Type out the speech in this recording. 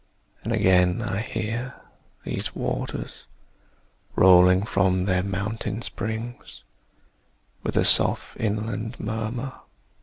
and again I hear These waters, rolling from their mountain springs With a soft inland murmur.